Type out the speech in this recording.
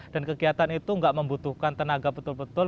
dan kegiatan itu enggak membutuhkan tenaga betul betul